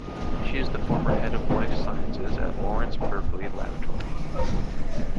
She is the former head of life sciences at Lawrence Berkeley Laboratory.